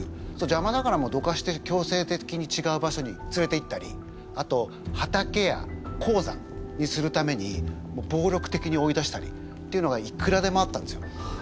じゃまだからどかして強制的にちがう場所に連れていったりあと畑や鉱山にするためにぼうりょく的に追い出したりっていうのがいくらでもあったんですよ。